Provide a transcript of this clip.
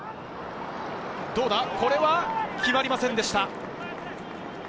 これは決まりませんでした。